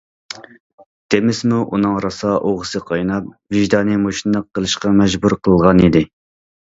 دېمىسىمۇ، ئۇنىڭ راسا ئوغىسى قايناپ، ۋىجدانى مۇشۇنداق قىلىشقا مەجبۇر قىلغانىدى.